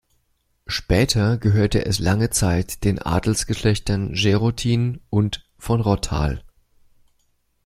Später gehörte es lange Zeit den Adelsgeschlechtern Žerotín und von Rottal.